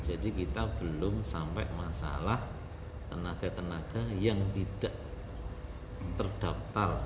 jadi kita belum sampai masalah tenaga tenaga yang tidak terdaptar